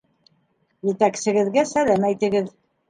Етәксегеҙгә сәләм әйтегеҙ.